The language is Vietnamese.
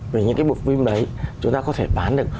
về những cái bộ phim đấy chúng ta có thể bán được